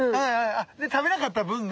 で食べなかった分が。